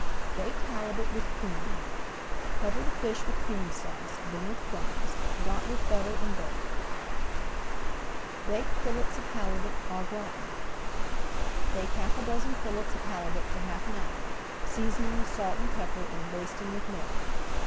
BAKED HALIBUT WITH CREAM Cover the fish with Cream Sauce, then with crumbs, dot with butter, and bake. [Page 176] BAKED FILLETS OF HALIBUT AU GRATIN Bake half a dozen fillets of halibut for half an hour, seasoning with salt and pepper and basting with milk.